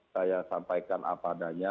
saya sampaikan apa adanya